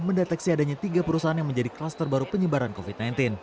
mendeteksi adanya tiga perusahaan yang menjadi kluster baru penyebaran covid sembilan belas